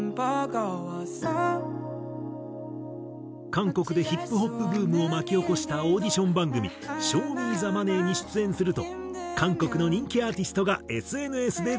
韓国でヒップホップブームを巻き起こしたオーディション番組『ＳＨＯＷＭＥＴＨＥＭＯＮＥＹ』に出演すると韓国の人気アーティストがＳＮＳで絶賛！